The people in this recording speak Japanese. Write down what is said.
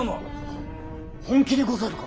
ほ本気でござるか？